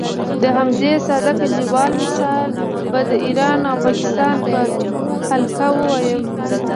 د همدې ساده کلیوال مثال به د ایران او پاکستان په هکله ووایم.